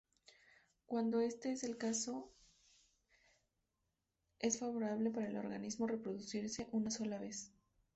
Cuándo este es el caso, es favorable para el organismo reproducirse una sola vez.